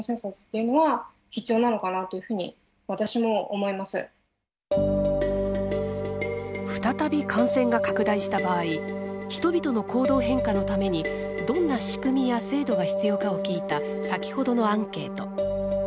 すいません再び感染が拡大した場合人々の行動変化のためにどんな仕組みや制度が必要かを聞いた先ほどのアンケート。